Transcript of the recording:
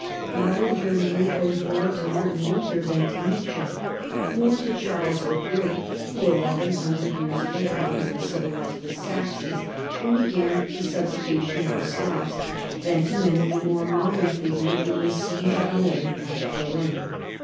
Modern Germany owes more to Martin Luther than to Nietzsche, more to Charles the Great, who eleven hundred years ago conquered and civilized the Saxons and began the subjugation of the Slavs, than to many a more modern figure in the Sieges allee at Berlin.